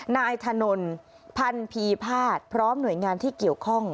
นายถนนพันธีภาษพร้อมหน่วยงานที่เกี่ยวข้อง